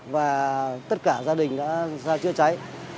và tất cả gia đình đã ra chữa cháy